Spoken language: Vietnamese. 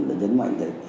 đã nhấn mạnh